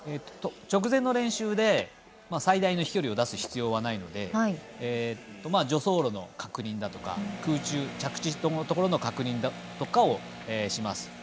直前の練習で最大の飛距離を出す必要はないので助走路の確認だとか空中、着地のところの確認だとかをします。